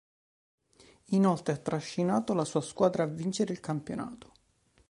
Inoltre ha trascinato la sua squadra a vincere il campionato.